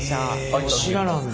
へえ知らなんだ。